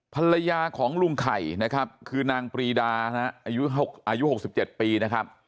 ภรรยาของลุงไข่นะครับคือนางปรีดานะอายุ๖๗ปีนะครับ